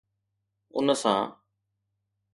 ان سان